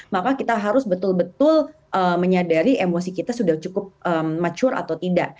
maka kita harus betul betul menyadari emosi kita sudah cukup mature atau tidak